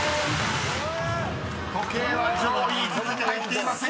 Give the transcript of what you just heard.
［「時計」は上位５つに入っていません］